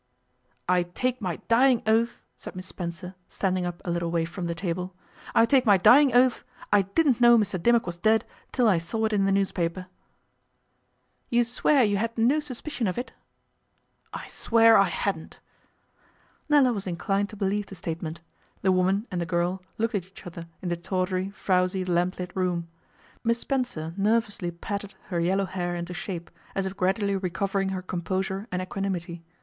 'I take my dying oath,' said Miss Spencer, standing up a little way from the table, 'I take my dying oath I didn't know Mr Dimmock was dead till I saw it in the newspaper.' 'You swear you had no suspicion of it?' 'I swear I hadn't.' Nella was inclined to believe the statement. The woman and the girl looked at each other in the tawdry, frowsy, lamp lit room. Miss Spencer nervously patted her yellow hair into shape, as if gradually recovering her composure and equanimity.